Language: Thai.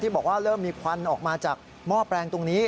บอกว่าเริ่มมีควันออกมาจากหม้อแปลงตรงนี้